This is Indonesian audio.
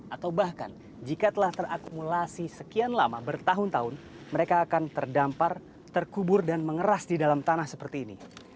atau bahkan jika telah terakumulasi sekian lama bertahun tahun mereka akan terdampar terkubur dan mengeras di dalam tanah seperti ini